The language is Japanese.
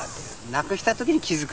なくした時に気付く。